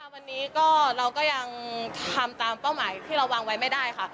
วันนี้เราก็ยังทำตามเป้าหมายที่เราวางไว้ไม่ได้ค่ะ